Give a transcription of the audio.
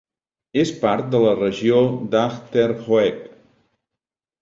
És part de la regió d'Achterhoek.